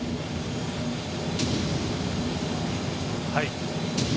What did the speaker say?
はい。